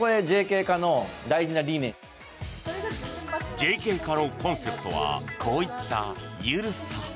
ＪＫ課のコンセプトはこういった緩さ。